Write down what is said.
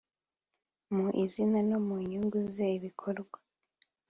mu izina no mu nyungu ze Ibikorwa